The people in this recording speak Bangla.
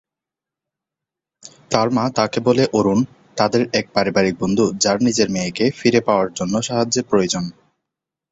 তার মা তাকে বলে অরুন তাদের এক পারিবারিক বন্ধু যার নিজ মেয়েকে ফিরে পাওয়ার জন্য সাহায্যের প্রয়োজন।